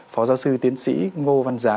phó giáo sư tiến sĩ ngô văn giá